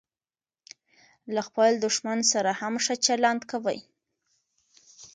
له خپل دوښمن سره هم ښه چلند کوئ!